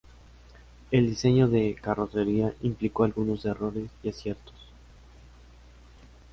El diseño de la carrocería, implicó algunos errores y aciertos.